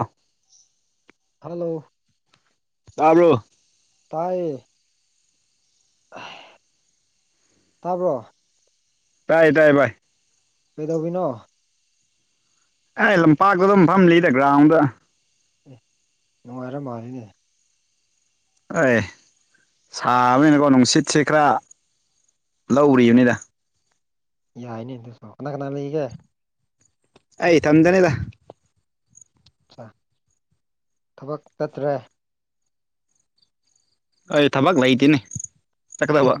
ꯑꯥ hello ꯇꯥꯕ꯭ꯔꯣ ꯇꯥꯏꯌꯦ ꯇꯥꯕ꯭ꯔꯣ ꯇꯥꯏꯌꯦ ꯇꯥꯏ ꯕꯥꯏ ꯀꯩꯗꯧꯕꯤꯅꯣ ꯑꯦ ꯂꯝꯄꯥꯛꯇ ꯑꯗꯨꯝ ꯐꯝꯂꯤꯗ ꯒ꯭ꯔꯥꯎꯟꯗ ꯑꯦ ꯅꯨꯡꯉꯥꯏꯔ ꯃꯥꯜꯂꯤꯅꯦ ꯑꯏ ꯁꯥꯕꯅꯤꯅꯀꯣ ꯅꯨꯡꯁꯤꯠꯁꯦ ꯈꯔ ꯂꯧꯔꯤꯕꯅꯤꯗ ꯌꯥꯏꯅꯦ ꯑꯗꯨ ꯁꯣ ꯀꯅꯥ ꯀꯅꯥ ꯂꯩꯒꯦ ꯑꯩ ꯏꯊꯟꯇꯅꯤꯗ ꯊꯕꯛ ꯆꯠꯇ꯭ꯔꯦ ꯑꯩ ꯊꯕꯛ ꯂꯩꯇꯦꯅꯦ ꯆꯠꯀꯗꯕ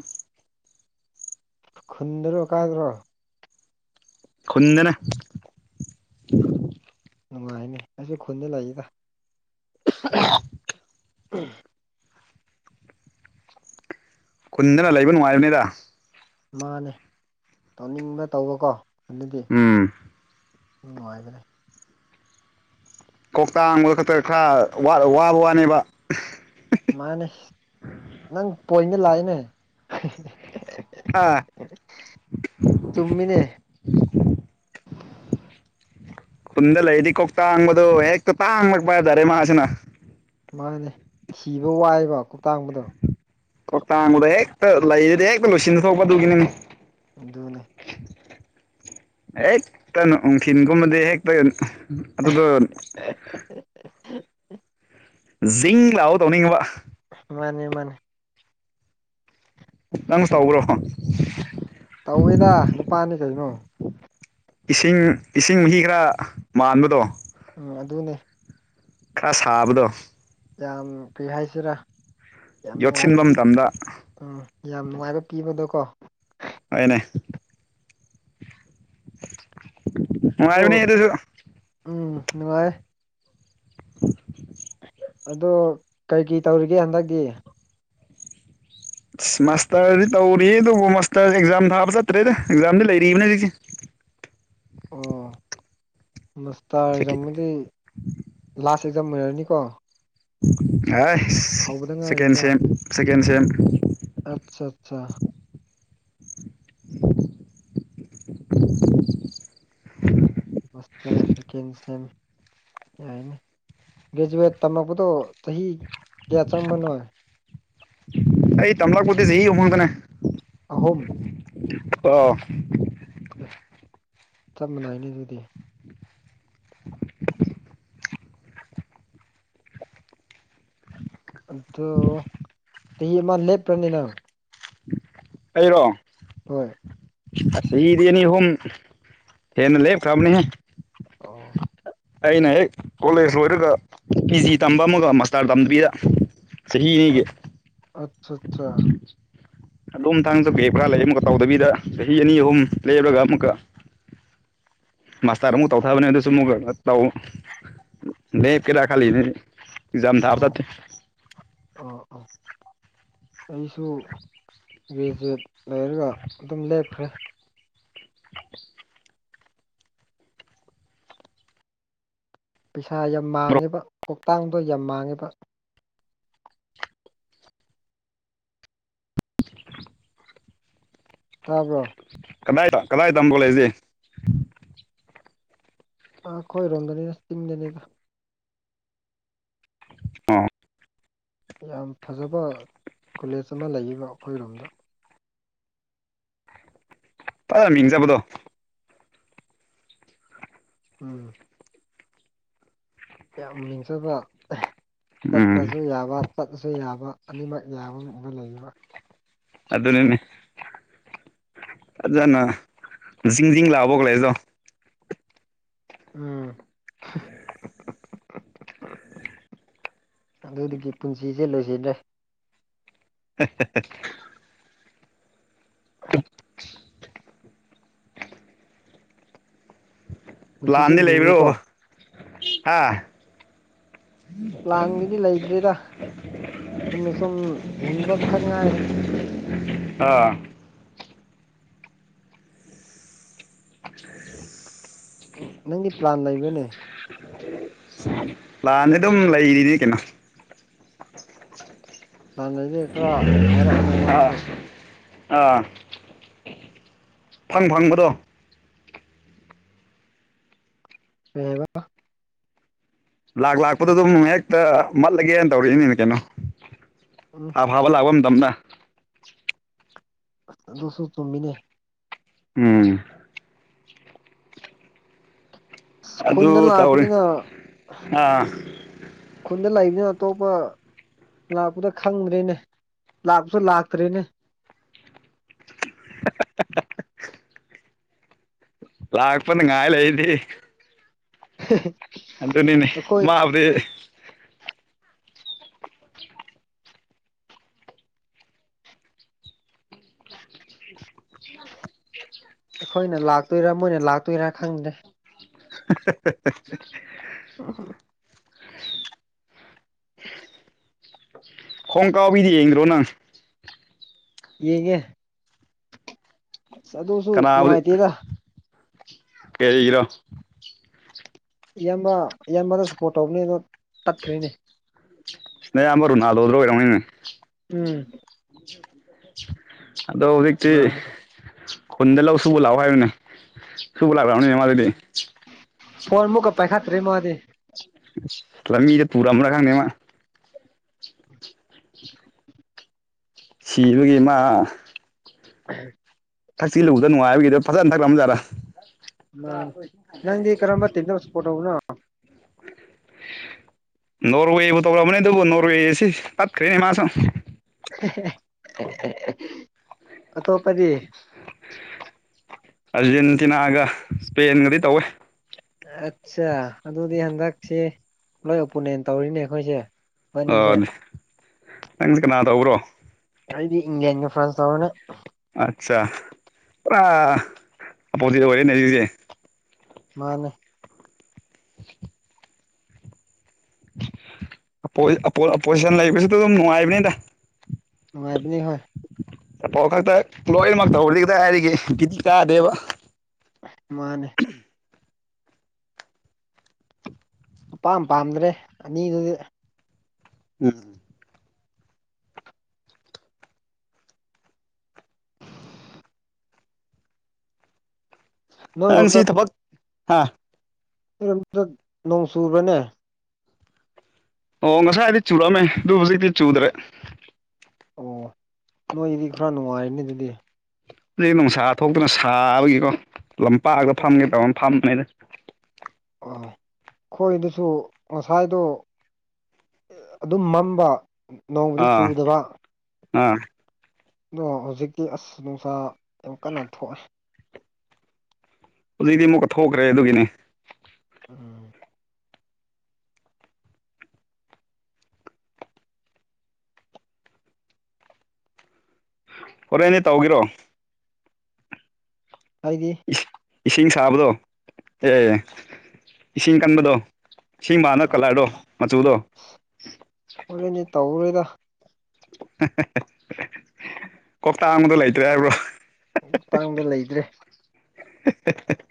ꯈꯨꯟꯗꯔꯣ ꯀꯥꯏꯗꯔꯣ ꯈꯨꯨꯟꯗꯅꯦ ꯅꯨꯡꯉꯥꯏꯅꯤ ꯑꯩꯁꯨ ꯈꯨꯟꯗ ꯂꯩꯗ [unintelligible] ꯈꯨꯟꯗꯅ ꯂꯩꯕ ꯅꯨꯡꯉꯥꯏꯕꯅꯤꯗ ꯃꯥꯅꯦ ꯇꯧꯅꯤꯡꯕ ꯇꯧꯕꯀꯣ ꯑꯗꯨꯗꯤ ꯎꯝ ꯅꯨꯡꯉꯥꯏꯕꯅꯦ ꯀꯣꯛꯇꯥꯡꯕ ꯈꯛꯇ ꯈꯔ ꯋꯥ ꯋꯥꯕ ꯋꯥꯅꯦꯕ ꯃꯥꯅꯦ ꯅꯪ ꯄꯣꯏꯟꯗ ꯂꯥꯛꯏꯅꯦ ꯍꯥ ꯆꯨꯝꯃꯤꯅꯦ ꯈꯨꯟꯗ ꯂꯩꯔꯗꯤ ꯀꯣꯛ ꯇꯥꯡꯕꯗꯣ ꯍꯦꯛꯇ ꯇꯥꯡꯂꯛꯄ ꯍꯥꯏꯇꯥꯔꯦ ꯃꯥꯁꯤꯅ ꯃꯥꯅꯦ ꯊꯤꯕ ꯋꯥꯏꯕ ꯀꯣꯛꯇꯥꯡꯕꯗꯣ ꯀꯣꯛꯇꯥꯡꯕꯗꯣ ꯍꯦꯛꯇ ꯂꯩꯔꯗꯤ ꯍꯦꯛꯇ ꯂꯣꯏꯁꯤꯟ ꯊꯣꯛꯄ ꯑꯗꯨꯒꯤꯅꯤꯅꯦ ꯑꯗꯨꯅꯦ ꯍꯦꯛꯇ ꯎꯅꯨꯡꯊꯤꯟꯒꯨꯝꯕꯗꯤ ꯍꯦꯛꯇ ꯑꯗꯨꯗꯣ ꯖꯤꯡ ꯂꯥꯛꯑꯣ ꯇꯧꯅꯤꯡꯕ ꯃꯥꯅꯦ ꯃꯥꯅꯦ ꯅꯪꯁꯨ ꯇꯧꯕ꯭ꯔꯣ ꯇꯧꯋꯦꯗ ꯅꯨꯄꯥꯅꯤ ꯀꯩꯅꯣ ꯏꯁꯤꯡ ꯏꯁꯤꯡ ꯃꯍꯤ ꯈꯔ ꯃꯥꯟꯕꯗꯣ ꯎꯝ ꯑꯗꯨꯅꯦ ꯈꯔ ꯁꯥꯕꯗꯣ ꯌꯥꯝ ꯀꯔꯤ ꯍꯥꯏꯁꯤꯔꯥ ꯌꯥꯝ ꯅꯨꯡꯉꯥꯏꯕ ꯌꯣꯠꯁꯤꯟꯕ ꯄꯤ ꯃꯇꯝꯗ ꯎꯝ ꯌꯥꯝ ꯅꯨꯡꯉꯥꯏꯕ ꯄꯤꯕꯗꯣꯀꯣ ꯑꯅꯦ ꯑꯃ ꯑꯗꯣ ꯑꯕꯤꯅꯤꯗꯣꯏꯁꯨ ꯎꯝ ꯅꯨꯡꯉꯥꯏ ꯑꯗꯣ ꯀꯩ ꯀꯔꯤ ꯇꯧꯔꯤꯒꯦ ꯍꯟꯗꯛꯇꯤ ꯑꯁ ꯃꯥꯁꯇꯔꯗꯤ ꯇꯧꯔꯤ ꯑꯗꯨꯕꯨ ꯃꯥꯁꯇꯔ ꯑꯦꯛꯖꯥꯝ ꯊꯥꯕ ꯆꯠꯇ꯭ꯔꯦꯗ ꯑꯦꯛꯖꯥꯝꯗꯤ ꯂꯩꯔꯤꯕꯅꯤꯅꯦ ꯍꯧꯖꯤꯀꯤ ꯑꯣ ꯃꯁꯇꯥꯔ ꯍꯧꯖꯤꯛꯇꯤ ꯑꯦꯛꯖꯥꯝꯕꯨꯗꯤ ꯂꯥꯁ ꯑꯦꯛꯖꯥꯝ ꯑꯣꯏꯔꯅꯤꯀꯣ ꯍꯧꯕꯗ ꯍꯀꯦꯟ ꯁꯦꯝ ꯁꯀꯦꯟ ꯁꯦꯝꯦꯝ ꯑꯆꯥ ꯑꯠꯆꯥ ꯁꯇꯔꯦꯁ ꯀꯁ ꯍꯥꯏꯅꯤ ꯒ꯭ꯔꯦꯖꯨꯋꯦꯠ ꯇꯝꯃꯛꯛꯄꯗꯣ ꯆꯍꯤ ꯀꯌꯥ ꯆꯪꯝꯕꯅꯣ ꯑꯩ ꯇꯝꯂ ꯀꯠꯇꯁꯤꯦ ꯌꯦꯃꯣꯟꯗꯅꯦ ꯑꯍꯨꯝ ꯑ ꯆꯞ ꯃꯥꯟꯅꯏꯅꯦ ꯑꯗꯨꯗꯤ [inaudible] ꯑꯗꯨꯣ ꯆꯍꯤꯍ ꯑꯃ ꯂꯦꯞ꯭ꯔꯅꯤꯅꯪ ꯑꯩꯔꯣ ꯍꯣꯏ ꯁꯤꯗꯤꯅꯤ ꯍꯣꯝ ꯍꯦꯟꯅ ꯂꯩꯦꯞ ꯈꯔꯕꯅꯦꯍꯦ ꯑꯣ ꯑꯩꯅ ꯍꯦꯛ ꯀꯣꯂꯦꯖ ꯂꯣꯏꯔꯒ ꯄꯤ ꯖꯤ ꯇꯝꯕ ꯑꯃꯒ ꯃꯥꯁꯇꯥꯔ ꯇꯝꯗꯕꯤꯗ ꯆꯍꯤ ꯍꯤ ꯅꯒ ꯑꯠꯆꯥ ꯑꯠꯆꯥ ꯑꯗꯣꯝ ꯊꯥꯡꯅ ꯆꯠꯄꯦ ꯄꯨꯔꯥ ꯂꯩ ꯑꯃꯛꯀ ꯇꯧꯗꯕꯤꯗ ꯆꯍꯤ ꯑꯅꯤ ꯑꯍꯨꯝ ꯂꯩꯦꯔꯨꯔꯒ ꯑꯃꯨꯛꯀ ꯃꯥꯁꯇꯔ ꯑꯃꯨꯛ ꯇꯧꯊꯕꯅꯦ ꯑꯗꯨꯁꯨ ꯑꯃꯨꯛ ꯇꯧ ꯂꯦꯞꯀꯦꯔꯥ ꯈꯜꯂꯤꯅꯦ ꯑꯦꯖꯥꯝ ꯊꯥꯞ ꯊꯦ ꯑ ꯑ ꯑꯩꯁꯨ ꯒ꯭ꯔꯦꯖꯨꯋꯦꯠ ꯂꯩꯔꯒ ꯑꯗꯨꯝ ꯂꯦꯞꯈ꯭ꯔꯦ ꯄꯩꯁꯥ ꯌꯥꯝ ꯃꯔꯨꯞ ꯃꯥꯡꯉꯤꯕ ꯀꯣꯛꯇꯥꯡꯗꯣ ꯌꯥꯝ ꯃꯥꯡꯉꯤꯕ ꯇꯥꯕ꯭ꯔꯣ ꯀꯗꯥꯏꯗ ꯀꯗꯥꯏꯗ ꯇꯝꯕꯣ ꯂꯩꯁꯦ ꯑꯩꯈꯣꯏꯔꯣꯝꯗꯅꯤꯅ ꯆꯤꯡꯗꯅꯤꯗ ꯑ ꯌꯥꯝ ꯐꯖꯕ ꯀꯣꯂꯦꯖ ꯑꯃ ꯂꯩꯌꯦꯕ ꯑꯩꯈꯣꯏꯔꯣꯝꯗ ꯐꯖ ꯃꯤꯡꯖꯕꯗꯣ ꯎꯝ ꯌꯥꯝ ꯃꯤꯡꯖꯕ ꯎꯝ ꯆꯠꯇ꯭ꯔꯁꯨ ꯌꯥꯕ ꯆꯠꯂꯁꯨ ꯌꯥꯕ ꯑꯅꯤꯃꯛ ꯌꯥꯕ ꯃꯑꯣꯗ ꯂꯩꯕ ꯑꯗꯨꯅꯅꯦ ꯐꯖꯅ ꯖꯤꯡ ꯤꯡ ꯂꯥꯛꯑꯕꯧ ꯂꯩꯗꯣ ꯎꯝ ꯑꯗꯨꯒꯤ ꯄꯨꯟꯁꯤꯁꯦ ꯂꯣꯏꯁꯤꯗ꯭ꯔꯦ [inaudible] [inaudible] ꯄꯨꯟꯁꯤꯁꯦ ꯂꯥꯟꯗꯤ ꯂꯨꯏꯀꯣ ꯂꯩꯕ꯭ꯔꯣ ꯍꯥ꯫ [inaudible] ꯎꯝ꯫ ꯁꯨꯝꯅ ꯁꯨꯝ ꯍꯤꯡꯕꯈꯛ ꯉꯥꯏꯔꯦ꯫ ꯑꯥ꯫ ꯐ [unintelligible] ꯎꯝ ꯅꯪꯒꯤ ꯄ꯭ꯂꯥꯟ ꯂꯩꯕꯅꯦ꯫ ꯂꯥꯟꯗꯤ ꯑꯗꯨꯝ ꯂꯩꯔꯤꯅꯤ ꯀꯩꯅꯣ꯫ ꯂꯥꯟ ꯂꯩꯗꯤ ꯈꯔ ꯍꯥꯏꯔꯛꯑꯣꯅꯦ ꯑꯥ ꯑꯩꯉꯣꯟꯗꯁꯨ꯫ ꯑꯥ꯫ ꯐꯪ ꯐꯪꯕꯗꯣ꯫ ꯀꯩ ꯍꯥꯏꯕ꯫ ꯂꯥꯛ ꯂꯥꯛꯄꯗ ꯑꯗꯨꯝ ꯍꯦꯛꯇ ꯃꯠꯂꯒꯦꯅ ꯇꯧꯔꯛꯏꯅꯤꯅ ꯀꯩꯅꯣ꯫ ꯎꯝ꯫ ꯑꯐꯥꯕ ꯂꯥꯛꯄ ꯃꯇꯝꯗ꯫ ꯑꯗꯨꯁꯨ ꯆꯨꯝꯃꯤꯅꯦ꯫ ꯎꯝ꯫ ꯑꯁ ꯑꯗꯨ ꯈꯨꯟꯗ ꯇꯧꯔꯤ ꯂꯥꯛꯄꯅꯤꯅ ꯑꯥ ꯈꯨꯟꯗ ꯂꯥꯛꯏꯕꯅꯤꯅ ꯑꯇꯣꯞꯄ꯫ ꯂꯥꯛꯄꯗ ꯈꯪꯗ꯭ꯔꯦꯅꯦ ꯂꯥꯛꯄꯁꯨ ꯂꯥꯛꯇ꯭ꯔꯦꯅꯦ꯫ [inaudible] ꯂꯥꯛꯄꯅꯤ ꯉꯥꯏꯂꯩꯗꯤ꯫ ꯍ [inaudible] ꯑꯗꯨ ꯅꯤꯅꯦ ꯃꯥꯕꯨꯗꯤ꯫ ꯑꯩꯈꯣꯏꯅ ꯂꯥꯛꯇꯣꯏꯔꯥ ꯃꯣꯏꯅ ꯂꯥꯛꯇꯣꯏꯔꯥ ꯈꯪꯗ꯭ꯔꯦ꯫ [inaudible] ꯎꯝ꯫ ꯍꯣꯡ ꯀꯥꯎꯕꯤꯗꯤ ꯌꯦꯡꯗ꯭ꯔꯣ ꯅꯪ꯫ ꯌꯦꯡꯉꯦ ꯑꯁ ꯑꯗꯨꯁꯨ ꯀꯅꯥꯕꯨꯗꯤ ꯅꯨꯡꯉꯥꯏꯇꯦꯗ꯫ ꯀꯔꯤꯒꯤꯔꯣ꯫ ꯏꯌꯥꯝꯕ ꯏꯌꯥꯝꯕꯗ ꯁꯨꯄꯣꯔꯠ ꯇꯧꯕꯅꯤ ꯑꯗꯣ ꯇꯠꯈ꯭ꯔꯤꯅꯦ꯫ ꯅꯌꯥꯝꯕ ꯔꯣꯅꯜꯗꯣ ꯑꯣꯏꯔꯝꯒꯅꯦ꯫ ꯎꯝ꯫ ꯑꯗꯣ ꯍꯧꯖꯤꯛꯇꯤ꯫ ꯃꯥꯅꯦ ꯈꯨꯟꯗ ꯂꯧ ꯁꯨꯕ ꯂꯥꯛꯑꯣ ꯍꯥꯏꯌꯦꯅꯦ ꯁꯨꯕ ꯂꯥꯛꯈꯕꯅꯤꯅꯦ ꯃꯥꯗꯤ꯫ ꯐꯣꯟ ꯑꯃꯨꯛꯀ ꯄꯥꯏꯈꯠꯇ꯭ꯔꯦ ꯃꯥꯗꯤ꯫ ꯃꯤꯗ ꯄꯨꯨꯔꯥ ꯈꯪꯅꯦꯃ꯫ ꯁꯤꯕꯒꯤ ꯃꯥ꯫ ꯎꯝ꯫ ꯊꯛꯤꯜꯂꯨꯗ ꯅꯨꯡꯥꯏꯕꯒꯤꯗꯣ ꯐꯖꯅ ꯊꯛꯂꯝꯑꯖꯥꯔꯥ꯫ ꯃꯥ ꯅꯪꯗꯤ ꯀꯔꯝꯕ ꯇꯤꯝꯗ ꯁꯄꯣꯔꯠ ꯇꯧꯕꯅꯣ꯫ ꯅꯣꯔꯋꯦꯕꯨ ꯇꯧ꯭ꯔꯕꯅꯦ ꯑꯗꯨꯕꯨ ꯅꯣꯔꯋꯦꯁꯤ ꯄꯠꯈ꯭ꯔꯦꯅꯦ ꯃꯥꯁꯨ꯫ ꯑ ꯇꯣꯄꯗꯤ꯫ ꯑꯔꯖꯦꯟꯇꯤꯅꯥꯒ ꯏꯁꯄꯦꯟꯒꯗꯤ ꯇꯧꯋꯦ꯫ ꯑꯠꯆꯥ ꯑꯗꯨꯗꯤ ꯍꯟꯗꯛꯁꯤ ꯂꯣꯏ ꯑꯣꯄꯣꯅꯦꯟ ꯇꯧꯔꯤꯅꯦ ꯑꯩꯈꯣꯏꯁꯦ꯫ ꯑꯣ ꯏꯕꯥꯅꯤꯁꯦ ꯅꯪꯁꯦ ꯀꯅꯥ ꯇꯧꯕ꯭ꯔꯣ꯫ ꯑꯩꯗꯤ ꯏꯪꯂꯦꯟ ꯐ꯭ꯔꯥꯟꯁ ꯇꯧꯎꯅꯦ꯫ ꯑꯠꯆꯥ ꯄꯨꯔꯥ ꯑꯄꯣꯖꯤꯠ ꯑꯣꯏꯔꯦꯅꯦ ꯑꯗꯨꯗꯤ꯫ ꯃꯥꯅꯦ꯫ ꯑꯣꯄꯣꯖꯤꯁꯟ ꯂꯩꯕꯁꯤꯗ ꯑꯗꯨꯝ ꯅꯨꯡꯉꯥꯏꯕꯅꯤꯗ꯫ ꯅꯨꯉꯥꯏꯕꯅꯤ ꯍꯣꯏ꯫ [unintelligible] ꯂꯣꯏꯅꯃꯛ ꯇꯧꯕꯗꯤ ꯀꯗꯥꯏꯗꯒꯤ ꯕꯤꯠ ꯀꯥꯗꯦꯕ ꯃꯥꯅꯦ ꯑꯄꯥꯝ ꯄꯥꯝꯗ꯭ꯔꯦ ꯑꯅꯤꯗꯨꯗꯤ ꯎꯝ ꯅꯣꯏꯔꯣꯝꯗ ꯅꯪꯁꯦ ꯊꯥꯕꯛ ꯍꯥꯥ ꯅꯣꯏꯔꯣꯝꯗ ꯅꯣꯡ ꯆꯨꯨꯕ꯭ꯔꯥꯅꯦ ꯑꯣ ꯉꯁꯥꯏꯗꯤ ꯆꯨꯔꯝꯃꯦ ꯑꯗꯨ ꯍꯧꯖꯤꯛꯇꯤ ꯆꯨꯗ꯭ꯔꯦ ꯑꯣ ꯅꯣꯏꯒꯤꯗꯤ ꯈꯔ ꯅꯨꯡꯉꯥꯏꯔꯅꯤ ꯑꯗꯨꯗꯤ ꯅꯨꯡꯁꯥ ꯊꯣꯛꯇꯅ ꯁꯥꯕꯒꯤꯀꯣ ꯂꯝꯄꯥꯛꯗ ꯐꯝꯒꯦ ꯇꯧꯅꯤ ꯐꯝꯕꯅꯦꯗ ꯑꯣ ꯑꯩꯈꯣꯏꯗꯨꯁꯨ ꯉꯁꯥꯏꯗꯣ ꯑꯗꯨꯝ ꯃꯝꯕ ꯅꯣꯡꯗꯤ ꯑꯥ ꯆꯨꯗꯕ ꯑꯥ ꯑꯗꯣ ꯍꯧꯖꯤꯛꯇꯤ ꯑꯁ ꯅꯨꯡꯁꯥ ꯌꯥꯝ ꯀꯟꯅ ꯊꯣꯛꯑꯦ ꯍꯧꯖꯤꯛꯇꯤ ꯑꯃꯨꯛꯀ ꯊꯣꯛꯈ꯭ꯔꯦ ꯑꯗꯨꯒꯤꯅꯦ ꯎꯝ ꯍꯣꯔꯦꯟꯗꯤ ꯇꯧꯒꯦꯔꯣ ꯍꯥꯏꯗꯤ ꯏꯁꯤꯡ ꯁꯥꯕꯗꯣ ꯑꯦ ꯏꯁꯤꯡ ꯀꯟꯕꯗꯣ ꯏꯁꯤꯡ ꯃꯥꯅ ꯀꯂꯔꯗꯣ ꯃꯆꯨꯗꯣ ꯍꯣꯔꯦꯟꯗꯤ ꯇꯧꯔꯣꯏꯗ ꯀꯣꯛꯇꯥꯡꯕꯗꯣ ꯂꯩꯇ꯭ꯔꯦ ꯍꯥꯏꯕ꯭ꯔꯣ ꯀꯣꯛꯇꯥꯡꯗꯣ ꯂꯩꯇ꯭ꯔꯦ [unintelligible]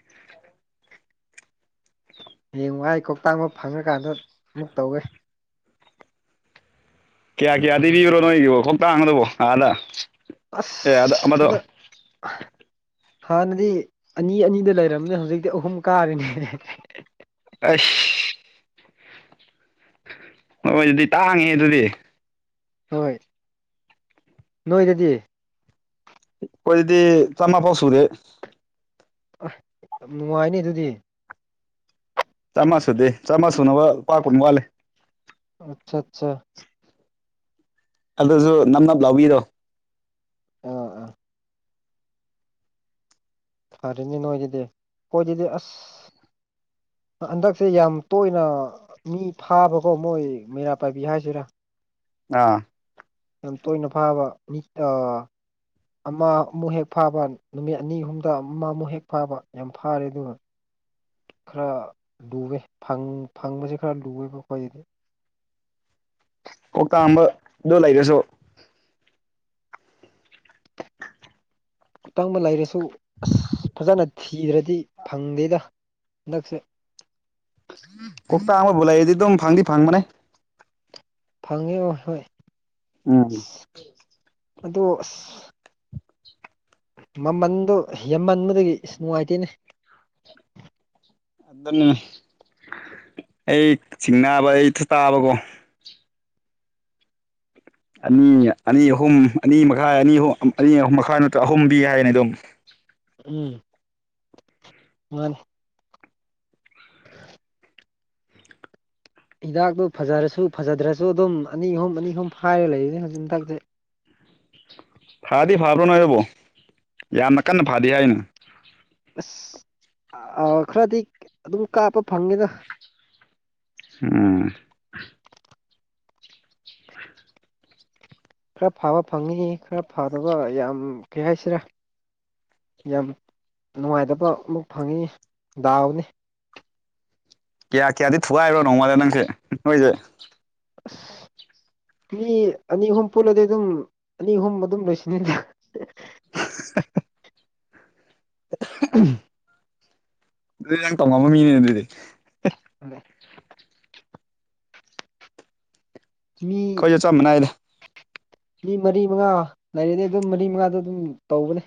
ꯍꯌꯦꯡ ꯋꯥꯥꯏ ꯀꯣꯛꯇꯥꯛꯕ ꯐꯪꯉ꯭ꯔꯀꯥꯟꯗ ꯑꯃꯨꯛ ꯇꯧꯒꯦ ꯀꯌꯥ ꯀꯌꯥꯗꯤ ꯄꯤꯕ꯭ꯔꯣ ꯅꯣꯏꯒꯤꯕꯣ ꯀꯣꯛꯇꯥꯡꯕꯗꯨꯕꯣ ꯑꯥꯗ ꯑꯁ ꯑꯦ ꯑꯃꯗꯣ ꯍꯟꯗꯛ ꯍꯥꯟꯅꯗꯤ ꯑꯅꯤ ꯑꯅꯤꯗ ꯂꯩꯔꯕꯝꯅꯦ ꯍꯧꯖꯤꯛꯇꯤ ꯑꯍꯨꯝ ꯀꯥꯔꯤꯅꯦ ꯑꯁ ꯅꯣꯏꯗꯗꯤ ꯇꯥꯡꯉꯦꯍꯦ ꯑꯗꯨꯗꯤ ꯍꯣꯏ ꯅꯣꯏꯗꯗꯤ ꯈꯣꯏꯗꯗꯤ ꯆꯥꯝꯃ ꯐꯥꯎ ꯁꯨꯗꯦ ꯑꯦ ꯌꯥꯝ ꯅꯨꯡꯉꯥꯏꯅꯤ ꯑꯗꯨꯗꯤ ꯆꯥꯝꯃꯥ ꯁꯨꯗꯦ ꯆꯥꯝꯃꯥ ꯁꯨꯅꯕ ꯂꯨꯄꯥ ꯀꯨꯟ ꯋꯥꯠꯂꯦ ꯑꯆꯥ ꯑꯆꯥ ꯑꯗꯨꯁꯨ ꯅꯞ ꯅꯞ ꯂꯥꯎꯕꯤꯗꯣ ꯑꯥ ꯑꯥ ꯐꯔꯦꯅꯦ ꯅꯣꯏꯗꯗꯤ ꯈꯣꯏꯗꯗꯤ ꯑꯁ ꯍꯟꯗꯛꯁꯦ ꯌꯥꯝ ꯇꯣꯏꯅ ꯃꯤ ꯐꯥꯕꯀꯣ ꯃꯣꯏ ꯃꯩꯔꯥ ꯄꯥꯏꯕꯤ ꯍꯥꯏꯁꯤꯔꯥ ꯑꯥ ꯌꯥꯝ ꯇꯣꯏꯅ ꯐꯥꯕ ꯃꯤ ꯑ ꯑꯃ ꯑꯃꯨꯛ ꯍꯦꯛ ꯐꯥꯕ ꯅꯨꯃꯤꯠ ꯑꯅꯤ ꯑꯍꯨꯝꯗ ꯑꯃꯃꯨꯛ ꯍꯦꯛ ꯐꯥꯕ ꯌꯥꯝ ꯐꯥꯔꯦ ꯑꯗꯨꯒ ꯈꯔ ꯂꯨꯋꯦ ꯐꯪ ꯐꯪꯕꯁꯦ ꯈꯔ ꯂꯨꯋꯦꯕ ꯈꯣꯏꯗꯗꯤ ꯀꯣꯛꯇꯥꯥꯡꯕ ꯗꯣ ꯂꯩꯔꯁꯨ ꯈꯨꯇꯪꯕ ꯂꯩꯔꯁꯨ ꯑꯁ ꯐꯖꯅ ꯊꯤꯗ꯭ꯔꯗꯤ ꯐꯪꯗꯦꯗ ꯍꯟꯗꯛꯁꯦ ꯀꯣꯛꯇꯥꯡ ꯑꯃꯕꯨ ꯂꯩꯔꯗꯤ ꯑꯗꯨꯝ ꯐꯪꯗꯤ ꯐꯪꯕꯅꯦ ꯐꯪꯉꯦꯕ ꯍꯣꯏ ꯎꯝ ꯑꯗꯣ ꯑꯁ ꯃꯃꯟꯗꯣ ꯍꯦꯟꯃꯟꯕꯗꯒꯤ ꯏꯁ ꯅꯨꯡꯉꯥꯏꯇꯦꯅꯦ ꯑꯗꯨꯅꯤ ꯑꯩ ꯆꯤꯡꯅꯕ ꯑꯩ ꯊ ꯇꯥꯕꯀꯣ ꯑꯅꯤ ꯑꯅꯤ ꯑꯍꯨꯝ ꯑꯅꯤ ꯃꯈꯥꯏ ꯑꯅꯤ ꯑꯍꯨꯝ ꯑꯅꯤ ꯑꯍꯨꯝ ꯃꯈꯥ ꯅꯠꯇ꯭ꯔ ꯑꯍꯨꯝꯄꯤ ꯍꯥꯏꯌꯦꯅꯦ ꯑꯗꯣ ꯎꯝ ꯃꯥꯅꯤ [unintelligible] ꯍꯤꯗꯥꯛꯇꯨ ꯐꯖꯔꯁꯨ ꯐꯖꯗ꯭ꯔꯁꯨ ꯑꯗꯨꯝ ꯑꯅꯤ ꯑꯍꯨꯝ ꯑꯅꯤ ꯑꯍꯨꯝ ꯐꯥꯏꯔ ꯂꯩꯔꯤꯅꯤ ꯍꯧꯖꯤꯛ ꯃꯊꯛꯇ ꯐꯥꯗꯤ ꯐꯥꯕ꯭ꯔꯣ ꯅꯣꯏꯕꯣ ꯌꯥꯝꯅ ꯀꯟꯅ ꯐꯥꯗꯤ ꯍꯥꯏꯅ ꯑꯁ ꯑꯥ ꯈꯔꯗꯤ ꯑꯗꯨꯝ ꯀꯥꯞꯄ ꯐꯪꯉꯦꯗ ꯎꯝ [unintelligible] ꯈꯔ ꯐꯕ ꯐꯪꯉꯤ ꯈꯔ ꯐꯗꯕ ꯌꯥꯝ ꯀꯩ ꯍꯥꯏꯁꯤꯔꯥ ꯌꯥꯝ ꯅꯨꯡꯉꯥꯏꯇꯕ ꯑꯃꯨꯛ ꯐꯪꯉꯤ ꯗꯥꯎꯅꯤ ꯀꯌꯥ ꯀꯌꯥꯗꯤ ꯊꯨꯒꯥꯏꯔꯣ ꯅꯣꯡꯃꯗ ꯅꯪꯁꯦ ꯅꯣꯏꯁꯦ ꯑꯁ ꯃꯤ ꯑꯅꯤ ꯑꯍꯨꯝ ꯄꯨꯜꯂꯗꯤ ꯑꯗꯨꯝ ꯑꯅꯤ ꯑꯍꯨꯝ ꯑꯗꯨꯝ ꯂꯣꯏꯁꯤꯅꯤꯗ [unintelligible] ꯑꯗꯨꯗꯤ ꯅꯪ ꯇꯣꯉꯝꯕ ꯃꯤꯅꯤꯅꯦ ꯑꯗꯨꯗꯤ [unintelligible] ꯃꯤ ꯈꯣꯏꯖꯨ ꯆꯝꯕꯅꯥꯏꯗ ꯃꯤ ꯃꯔꯤ ꯃꯉꯥ ꯂꯩꯔꯦꯅꯦ ꯑꯗꯨꯝ ꯃꯔꯤ ꯃꯉꯥꯗ ꯑꯗꯨꯝ ꯇꯧꯕꯅꯦ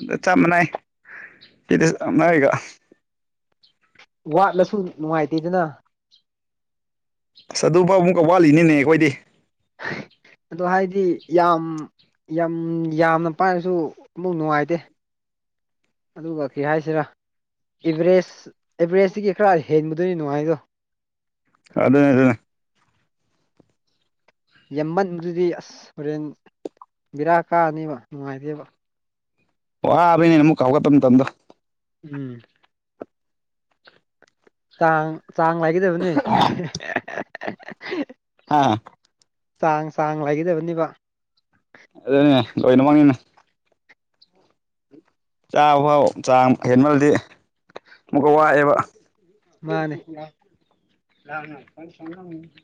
ꯑꯗ ꯆꯞ ꯃꯥꯟꯅꯩ ꯀꯤꯗ ꯆꯞꯅꯏꯒ ꯋꯥꯠꯂꯁꯨ ꯅꯨꯡꯉꯥꯏꯇꯦꯗꯅ ꯑꯁ ꯑꯗꯨꯐꯥꯎꯕꯨꯡ ꯀꯧ ꯋꯥꯠꯂꯤꯅꯤꯅꯦ ꯑꯩꯈꯣꯏꯗꯤ ꯑꯗꯣ ꯍꯥꯏꯗꯤ ꯌꯥꯝ ꯌꯥꯝ ꯌꯥꯝꯅ ꯄꯥꯏꯔꯁꯨ ꯑꯃꯨꯛ ꯅꯨꯡꯉꯥꯏꯇꯦ ꯑꯗꯨꯒ ꯀꯦ ꯍꯥꯏꯁꯤꯔꯥ ꯏꯚꯔꯦꯖ ꯑꯦꯚ꯭ꯔꯦꯁꯇꯒꯤ ꯈꯔ ꯍꯦꯟꯕꯗꯣꯏꯅꯤ ꯅꯨꯡꯉꯥꯏꯗꯣ ꯑꯗꯨꯅꯦ ꯑꯗꯨꯅꯦ ꯌꯥꯝꯃꯟꯗꯨꯗꯤ ꯑꯁ ꯍꯣꯔꯦꯟ ꯕꯦꯔꯥ ꯀꯥꯅꯦꯕ ꯅꯨꯡꯉꯥꯏꯗꯦꯕ ꯋꯥꯕꯅꯦꯅ ꯑꯃꯨꯛꯀ ꯍꯧꯒꯠꯕ ꯃꯇꯝꯗꯣ ꯎꯝ ꯆꯥꯡ ꯆꯥꯡ ꯂꯥꯏꯒꯗꯕꯅꯤ [unintelligible] ꯍꯥꯥ ꯆꯥꯡ ꯆꯥꯡ ꯂꯩꯒꯗꯕꯅꯤꯕ ꯑꯗꯨꯅꯦ ꯂꯣꯏꯅꯃꯛꯅꯤꯅꯦ ꯆꯥꯕ ꯐꯥꯎ ꯆꯥꯡ ꯍꯦꯟꯃꯜꯗꯤ ꯑꯃꯨꯛꯀ ꯋꯥꯢꯑꯦꯕ ꯃꯥꯅꯦ [unintelligible]